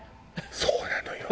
そうなのよ。